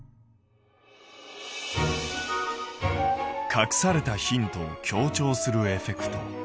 隠されたヒントを強調するエフェクト。